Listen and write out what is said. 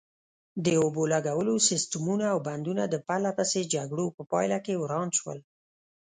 د اوبو لګولو سیسټمونه او بندونه د پرلپسې جګړو په پایله کې وران شول.